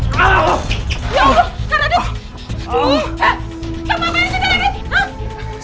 kamu yang paling suka next